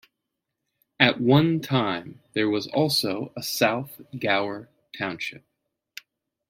At one time, there was also a South Gower Township.